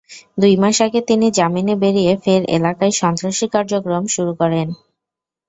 দুই মাস আগে তিনি জামিনে বেরিয়ে ফের এলাকায় সন্ত্রাসী কার্যক্রম শুরু করেন।